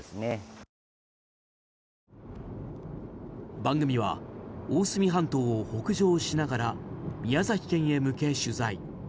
番組は大隅半島を北上しながら宮崎県へ向け、取材。